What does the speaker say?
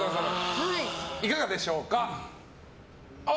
いかがでしょうか。